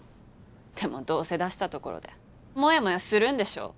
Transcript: でもどうせ出したところでモヤモヤするんでしょ。